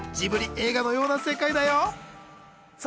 映画のような世界だよさあ